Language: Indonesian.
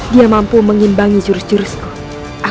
dia mampu mengimbangi jurus jurus hal ini